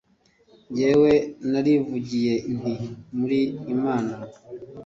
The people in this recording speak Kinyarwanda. Jyewe narivugiye nti ’Muri imana